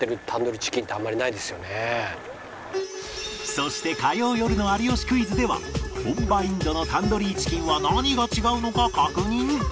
そして火曜よるの『有吉クイズ』では本場インドのタンドリーチキンは何が違うのか確認